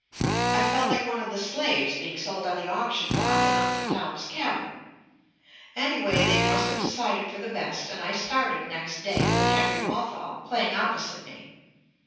I felt like one of the slaves being sold on the auction block in "Uncle Tom's Cabin." Any way, they must have decided for the best and I started next day with Henry Walthall play ing opposite me.